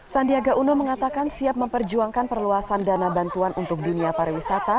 sandiaga uno mengatakan siap memperjuangkan perluasan dana bantuan untuk dunia pariwisata